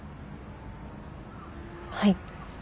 はい。